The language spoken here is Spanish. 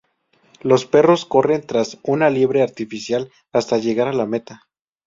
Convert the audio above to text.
Los perros corren tras una liebre artificial hasta llegar a la meta.